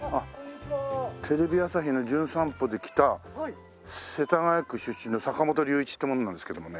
テレビ朝日の『じゅん散歩』で来た世田谷区出身の坂本龍一って者なんですけどもね。